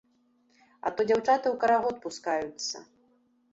А то дзяўчаты ў карагод пускаюцца.